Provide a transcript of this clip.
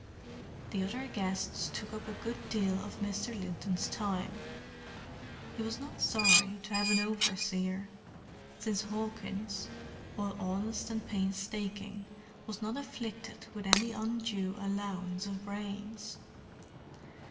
The other guests took up a good deal of Mr. Linton's time: he was not sorry to have an overseer, since Hawkins, while honest and painstaking, was not afflicted with any undue allowance of brains.